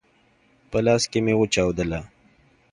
په لاس کي مي وچاودله !